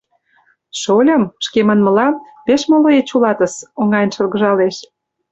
— Шольым, шке манмыла, пеш молойеч улатыс, — оҥайын шыргыжалеш.